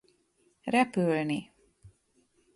Repülni!